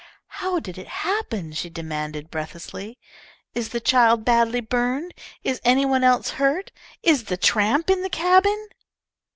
"How did it happen?" she demanded, breathlessly. "Is the child badly burned? Is any one else hurt? Is the tramp in the cabin?"